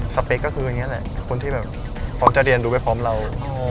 เปคก็คืออย่างนี้แหละคนที่แบบพร้อมจะเรียนรู้ไปพร้อมเรา